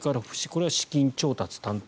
これは資金調達担当